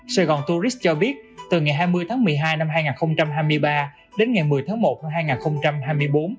sài gòn tourist cho biết từ ngày hai mươi tháng một mươi hai năm hai nghìn hai mươi ba đến ngày một mươi tháng một năm hai nghìn hai mươi bốn